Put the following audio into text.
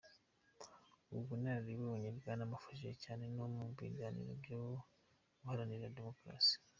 Ubu bunararibonye bwaramufashije cyane no mu biganiro byo guharanira demokarasi.